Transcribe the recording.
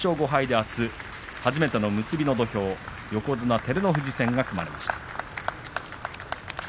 あす初めての結びの土俵横綱照ノ富士戦が組まれました。